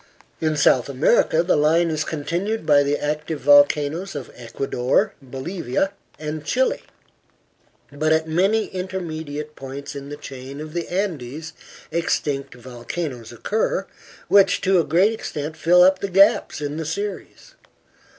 In South America the line is continued by the active volcanoes of Ecuador, Bolivia and Chile, but at many intermediate points in the chain of the Andes extinct volcanoes occur, which to a great extent fill up the gaps in the series.